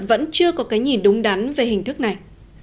vẫn chưa có cái nhìn đúng đắn về hình thức này